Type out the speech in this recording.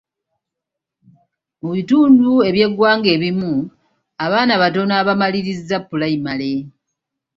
Mu bitundu eby'eggwanga ebimu abaana batono abamaliririza pulayimale.